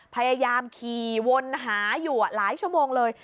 พยายามขี่วนหาอยู่หลายชั่วโมงเลย